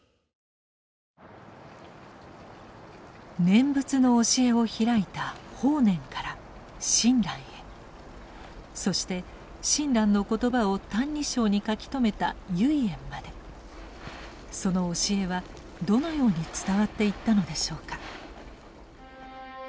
念仏の教えを開いた法然から親鸞へそして親鸞の言葉を「歎異抄」に書き留めた唯円までその教えはどのように伝わっていったのでしょうか。